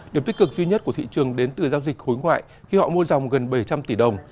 điểm tích cực duy nhất của thị trường đến từ giao dịch khối ngoại khi họ mua dòng gần bảy trăm linh tỷ đồng